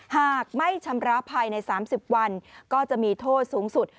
หากไม่ชำระภายใน๓๐วันก็จะมีโทษสูงสุด